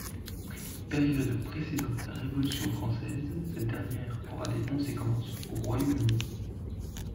Période précédant la Révolution française, cette dernière aura des conséquences au Royaume-Uni.